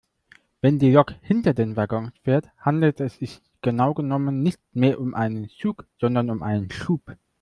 Wenn die Lok hinter den Waggons fährt, handelt es sich genau genommen nicht mehr um einen Zug sondern um einen Schub.